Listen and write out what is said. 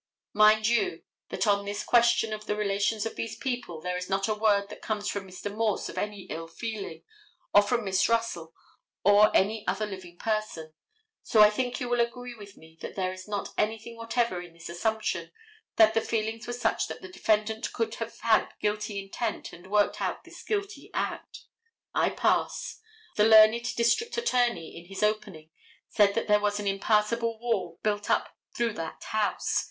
Mind you that on this question of the relations of these people there is not a word that comes from Mr. Morse of any ill feeling, or from Miss Russell or any other living person, and so I think you will agree with me that there is not anything whatever in this assumption that the feelings were such that the defendant could have had guilty intent and worked out this guilty act. I pass. The learned district attorney, in his opening, said that there was an impassable wall built up through that house.